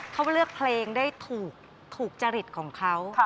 เขาเลือกเพลงได้ถูกจริตของเขา